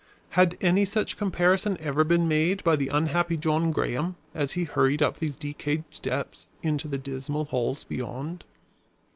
Had any such comparison ever been made by the unhappy John Graham, as he hurried up these decayed steps into the dismal halls beyond?